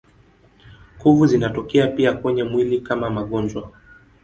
Kuvu zinatokea pia kwenye mwili kama magonjwa.